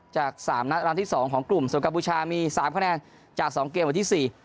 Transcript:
จาก๓นัดรัดที่๒ของกลุ่มส่วนกัมพูชามี๓คะแนนจาก๒เกมวันที่๔